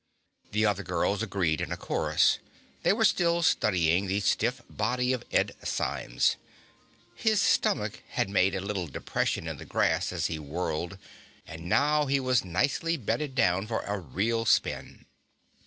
The other girls agreed in a chorus. They were still studying the stiff body of Ed Symes. His stomach had made a little depression in the grass as he whirled, and he was now nicely bedded down for a real spin.